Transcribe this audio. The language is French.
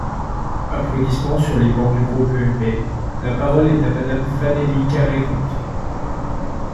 (Applaudissements sur les bancs du groupe UMP.) La parole est à Madame Fanélie Carrey-Conte.